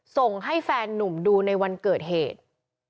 ส่งให้แฟนนุ่มดูในวันเกิดเหตุ